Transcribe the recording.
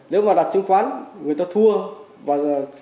nếu mà đặt chứng khoán người ta thua